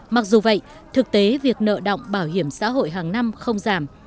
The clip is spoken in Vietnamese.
mặc dù vậy thực tế việc nợ động bảo hiểm xã hội hàng năm không giảm